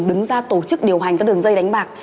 đứng ra tổ chức điều hành các đường dây đánh bạc